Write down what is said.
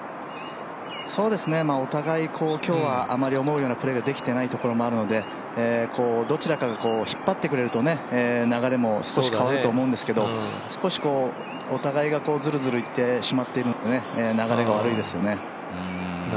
お互い今日はあまり思うようなプレーができていないところがあるのでどちらかが引っ張ってくれるとね流れも変わると思うんですけど少し、お互いがずるずるいってしまっていると流れが悪いですよね。